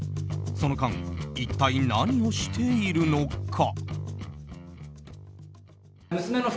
その間、一体何をしているのか。